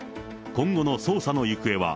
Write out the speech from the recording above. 今後の捜査の行方は？